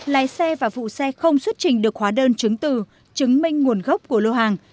lái xe và vụ xe không xuất trình được hóa đơn chứng từ chứng minh nguồn gốc của lô hàng